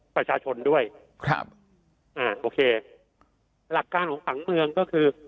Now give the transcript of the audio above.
ประชาชนด้วยครับอ่าโอเคหลักการของผังเมืองก็คือ